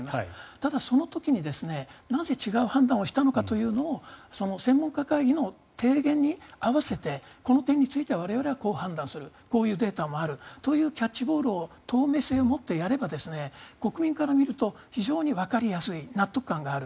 ただ、その時になぜ違う判断をしたのかということを専門家会議の提言に合わせてこの点については我々はこう判断するこういうデータもあるというキャッチボールを透明性を持ってやれば国民から見ると非常にわかりやすい納得感がある。